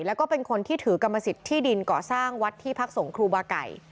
แล้วก็เป็นคนที่ถือกรรมสิทธิ์ที่ดินก่อสร้างวัดที่พักสงฆ์ครูบาไก่